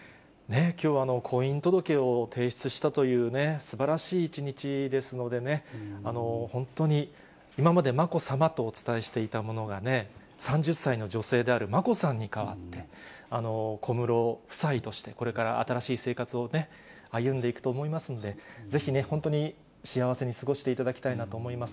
きょうは婚姻届を提出したというすばらしい一日ですのでね、本当に、今まで眞子さまとお伝えしていたものがね、３０歳の女性である眞子さんに変わって、小室夫妻として、これから新しい生活を歩んでいくと思いますんで、ぜひね、本当に幸せに過ごしていただきたいなと思います。